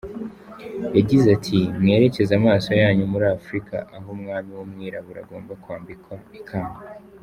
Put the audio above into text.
Yagize ati “Mwerekeze amaso yanyu muri Afrika aho umwami w’umwirabura agomba kwambikwa ikamba”.